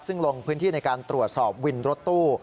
ซึ่งลงพื้นที่ในการตรวจสอบวินรถตู้